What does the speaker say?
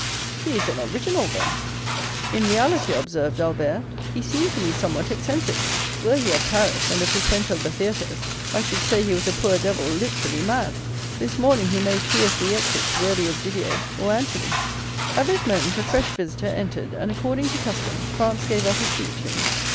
"He is an original, then?" "In reality," observed Albert, "he seemed to me somewhat eccentric; were he at Paris, and a frequenter of the theatres, I should say he was a poor devil literally mad. This morning he made two or three exits worthy of Didier or Anthony." At this moment a fresh visitor entered, and, according to custom, Franz gave up his seat to him.